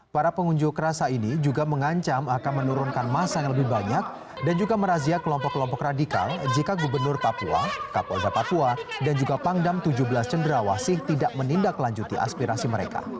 para pengunjuk rasa ini juga mengancam akan menurunkan masa yang lebih banyak dan juga merazia kelompok kelompok radikal jika gubernur papua kapolda papua dan juga pangdam tujuh belas cendrawasih tidak menindaklanjuti aspirasi mereka